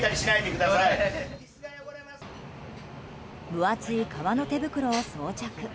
分厚い革の手袋を装着。